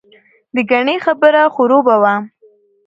دګنې خبره خروبه وه.